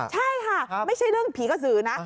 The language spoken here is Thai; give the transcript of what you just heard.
ใช่ค่ะไม่ใช่เรื่องผีกระสือนะ